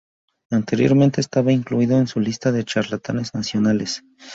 Anteriormente estaba incluido en su lista de Charlatanes Nacionales.